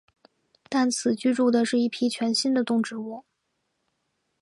但此居住的是一批全新的动植物。